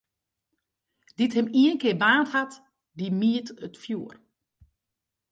Dy't him ienkear baarnd hat, dy mijt it fjoer.